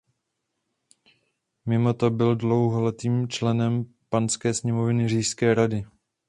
Mimo to byl dlouholetým členem panské sněmovny říšské rady.